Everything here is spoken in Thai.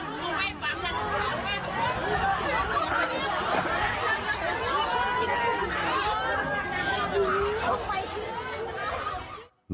โอ้โหอุ๊ย